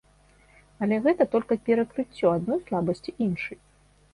Але гэта толькі перакрыццё адной слабасці іншай.